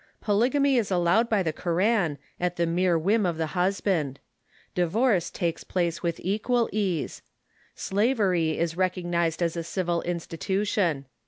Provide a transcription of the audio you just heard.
Polygamy is al lowed by the Koran, at the mere whim of the husband. Divorce takes place with equal ease. Slavery is recognized as a civil institution.